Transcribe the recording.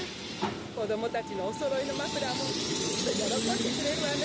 こどもたちのおそろいのマフラーもきっとよろこんでくれるわね。